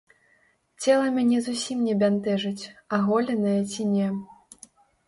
Цела мяне зусім не бянтэжыць, аголенае ці не.